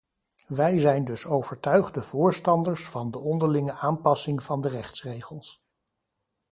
Wij zijn dus overtuigde voorstanders van de onderlinge aanpassing van de rechtsregels.